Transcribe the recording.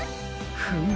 フム。